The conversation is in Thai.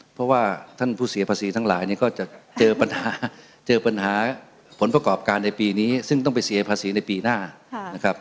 เพราะว่าท่านผู้เสียภาษีทั้งหลายเนี่ยก็จะเจอปัญหาเจอปัญหาผลประกอบการในปีนี้ซึ่งต้องไปเสียภาษีในปีหน้านะครับ